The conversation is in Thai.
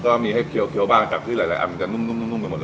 ก็มีให้เคี้ยวบ้างจากที่หลายอันมันจะนุ่มไปหมด